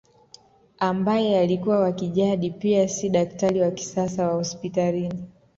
Ambaye alikuwa wa kijadi pia si daktari wa kisasa wa hospitalini